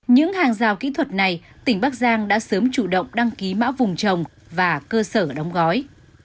những hàng rào kỹ thuật này tỉnh bắc giang đã sớm chủ động đăng ký mã vùng trồng và cơ sở đóng gói